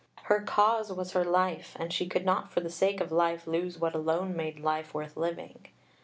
Her cause was her life, and she could not for the sake of life lose what alone made life worth living.